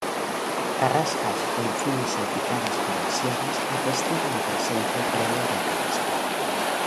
Carrascas o encinas salpicadas por las sierras atestiguan presencia previa del carrascal.